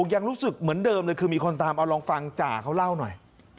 ยังรู้สึกเหมือนเดิมเลยคือมีคนตามเอาลองฟังจ่าเขาเล่าหน่อย